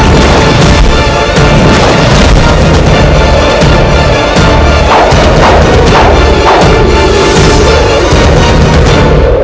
buktikanlah kesetiaanmu padaku surakarta